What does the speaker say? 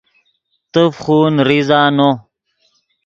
تیف خو نریزہ نو